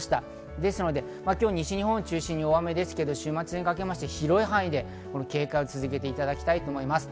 ですので、西日本を中心に大雨ですけど週末にかけまして広い範囲で警戒を続けていただきたいと思います。